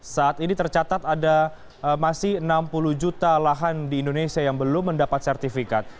saat ini tercatat ada masih enam puluh juta lahan di indonesia yang belum mendapat sertifikat